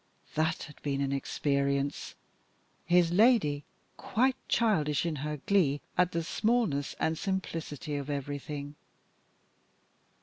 That had been an experience! His lady quite childish in her glee at the smallness and simplicity of everything.